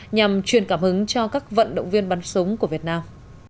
nhằm truyền cảm hứng cho các vận động viên bắn súng của việt nam